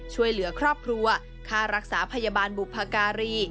ช่วยเหลือครอบครัวค่ารักษาพยาบาลบุพการี